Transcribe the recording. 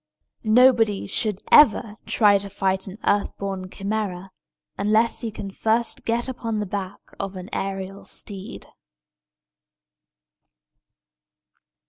Nobody should ever try to fight an earth born Chimæra, unless he can first get upon the back of an aërial steed.